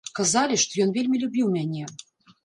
Казалі, што ён вельмі любіў мяне.